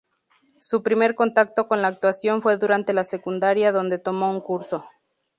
Su primer contacto con la actuación fue durante la secundaria, donde tomó un curso.